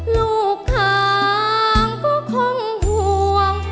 ลูกค้าก็คงห่วง